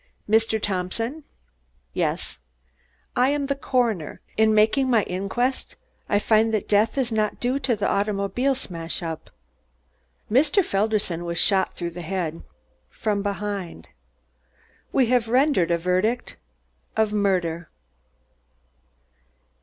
"Mr. Thompson?" "Yes." "I am the coroner. In making my inquest, I find that death was not due to the automobile smash up. Mr. Felderson was shot through the head, from behind. We have rendered a verdict of murder."